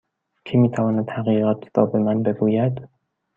کی می تواند حقیقت را به من بگوید؟